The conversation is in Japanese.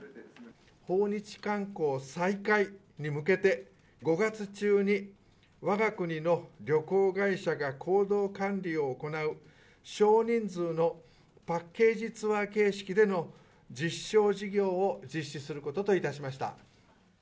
訪日観光再開に向けて、５月中にわが国の旅行会社が行動管理を行う少人数のパッケージツアー形式での実証事業を実施することといたしました。